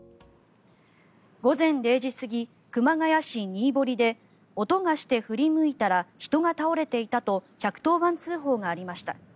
午前０時すぎ、熊谷市新堀で音がして振り向いたら人が倒れていたと１１０番通報がありました。